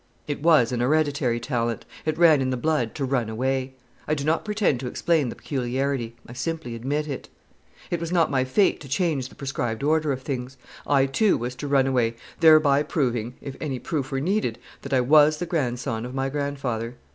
It was an hereditary talent. It ran in the blood to run away. I do not pretend to explain the peculiarity. I simply admit it. It was not my fate to change the prescribed order of things. I, too, was to run away, thereby proving, if any proof were needed, that I was the grandson of my grandfather.